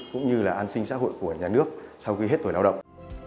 cũng như là an sinh xã hội của nhà nước sau khi hết tuổi lao động